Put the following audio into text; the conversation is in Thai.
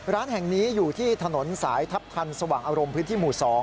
ร้านแห่งนี้อยู่ที่ถนนสายทัพทันสว่างอารมณ์พื้นที่หมู่๒